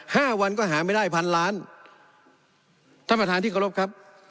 ห้าวันก็หาไม่ได้พันล้านท่านประธานที่เคารพครับ